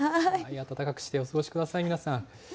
暖かくしてお過ごしください、皆さん。